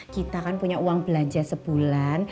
kita kan punya uang belanja sebulan